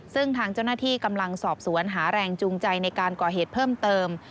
ซึ่งทางเจ้าหน้าที่กำลังสอบสวนหาแรงจูงใจในการก่อเหตุเพิ่มเติม